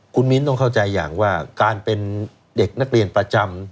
คุณมิ้นต้องเข้าใจอย่างว่าการเป็นเด็กนักเรียนประจำ